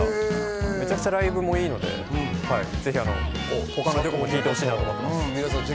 めちゃくちゃライブもいいので、ぜひ他の曲も聞いてほしいと思います。